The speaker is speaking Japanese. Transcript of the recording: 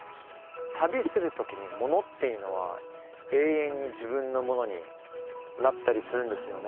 旅する時に「物」っていうのは永遠に自分のものになったりするんですよね。